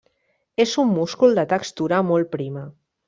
És un múscul de textura molt prima.